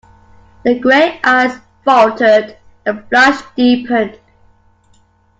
The gray eyes faltered; the flush deepened.